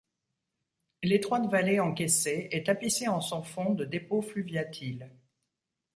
L'étroite vallée encaissée est tapissée en son fond de dépôts fluviatiles.